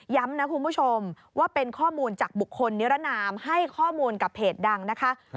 นะคุณผู้ชมว่าเป็นข้อมูลจากบุคคลนิรนามให้ข้อมูลกับเพจดังนะคะ